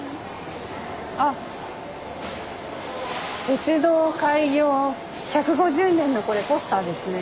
「鉄道開業１５０年」のこれポスターですね。